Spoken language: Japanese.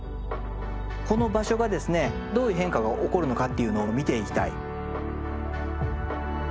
この場所がですねどういう変化が起こるのかっていうのを見ていきたい。